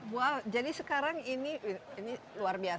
wow jadi sekarang ini luar biasa